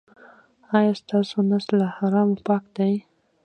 ایا ستاسو نس له حرامو پاک دی؟